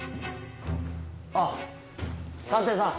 あっ探偵さん